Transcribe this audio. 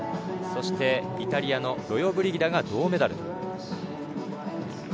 そしてイタリアのロヨブリギダが銅メダル。